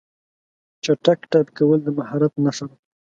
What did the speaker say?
چټک ټایپ کول د مهارت نښه ده.